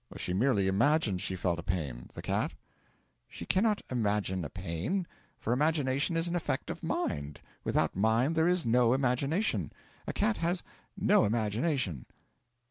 'She merely imagined she felt a pain the cat?' 'She cannot imagine a pain, for imagination is an effect of mind; without mind, there is no imagination. A cat has no imagination.'